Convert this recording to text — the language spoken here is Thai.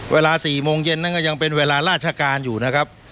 เวลา๔โมงเย็นนั้นก็ยังเป็นเวลาราชการอยู่นะครับ